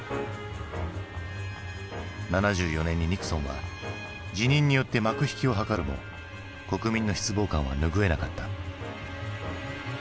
７４年にニクソンは辞任によって幕引きを図るも国民の失望感は拭えなかった。